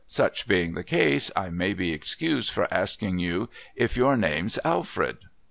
' Such being the case, I may be excused for asking you if your name's Alfred